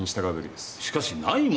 しかしないものは。